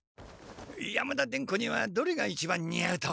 山田伝子にはどれが一番に合うと思う？